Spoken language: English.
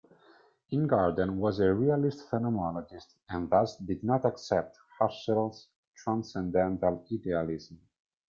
Ingarden was a realist phenomenologist, and thus did not accept Husserl's transcendental idealism.